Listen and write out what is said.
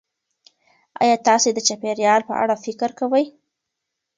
ایا تاسې د چاپیریال په اړه فکر کوئ؟